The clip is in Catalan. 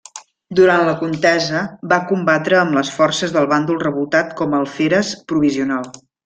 Durant la contesa va combatre amb les forces del Bàndol revoltat com a alferes provisional.